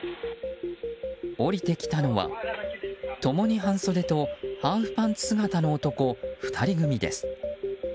降りてきたのは、共に半袖とハーフパンツ姿の男２人組です。